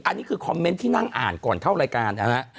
อันนี้คือคอมเมนต์ที่นั่งอ่านก่อนเข้ารายการนะฮะ